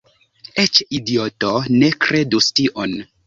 Eĉ idioto ne kredus tion."